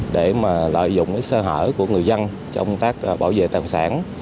để mà lợi dụng sơ hở của người dân trong công tác bảo vệ tài sản